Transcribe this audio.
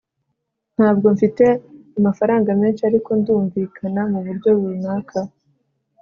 ntabwo mfite amafaranga menshi, ariko ndumvikana muburyo runaka